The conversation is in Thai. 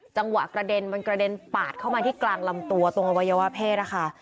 กระเด็นมันกระเด็นปาดเข้ามาที่กลางลำตัวตรงอวัยวะเพศนะคะ